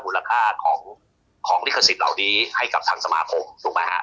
ค่าของลิขสิทธิ์เหล่านี้ให้กับทางสมาคมถูกไหมฮะ